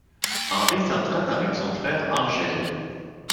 Henry s'entraîne avec son frère Angel.